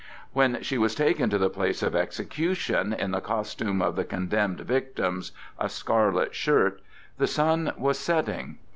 When she was taken to the place of execution in the costume of the condemned victims—a scarlet shirt—the sun was setting.